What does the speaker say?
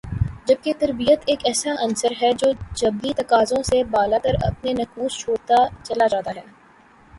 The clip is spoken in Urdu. جبکہ تربیت ایک ایسا عنصر ہے جو جبلی تقاضوں سے بالاتر اپنے نقوش چھوڑتا چلا جاتا ہے